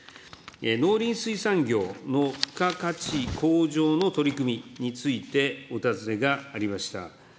農林水産業の付加価値向上の取り組みについてお尋ねがありました。